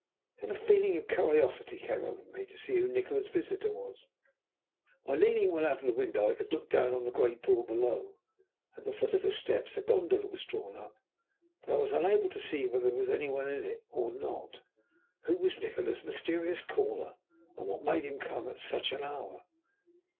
Then a feeling of curiosity came over me to see who Nikola's visitor was. By leaning well out of the window, I could look down on the great door below. At the foot of the steps a gondola was drawn up, but I was unable to see whether there was any one in it or not. Who was Nikola's mysterious caller, and what made him come at such an hour?